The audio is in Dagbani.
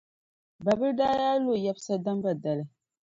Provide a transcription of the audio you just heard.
Babila daa yaa lo yɛbisa Damba dali.